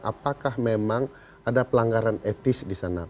apakah memang ada pelanggaran etis ini